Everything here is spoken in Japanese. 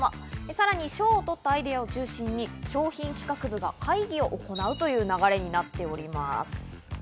さらに賞を取ったアイデアを中心に商品企画部が会議を行うという流れになっております。